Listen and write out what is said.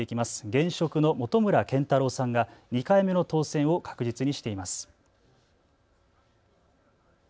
現職の本村賢太郎さんが２回目の当選を確実にしています。